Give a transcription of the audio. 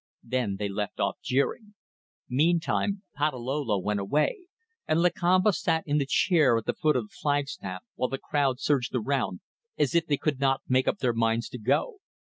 Then they left off jeering. Meantime Patalolo went away, and Lakamba sat in the chair at the foot of the flagstaff, while the crowd surged around, as if they could not make up their minds to go.